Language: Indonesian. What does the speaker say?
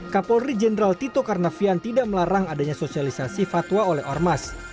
kapolri jenderal tito karnavian tidak melarang adanya sosialisasi fatwa oleh ormas